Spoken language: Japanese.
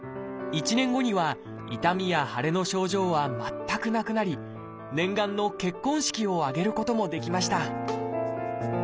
１年後には痛みや腫れの症状は全くなくなり念願の結婚式を挙げることもできました